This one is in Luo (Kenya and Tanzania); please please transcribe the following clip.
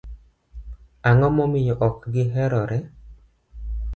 Ang'o momiyo ok gi herore?